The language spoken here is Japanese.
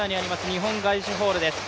日本ガイシホールです。